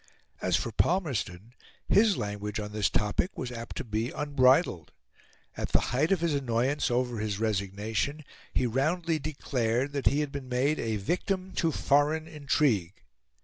As for Palmerston, his language on this topic was apt to be unbridled. At the height of his annoyance over his resignation, he roundly declared that he had been made a victim to foreign intrigue.